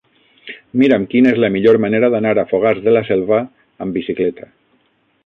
Mira'm quina és la millor manera d'anar a Fogars de la Selva amb bicicleta.